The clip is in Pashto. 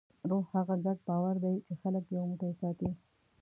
روح هغه ګډ باور دی، چې خلک یو موټی ساتي.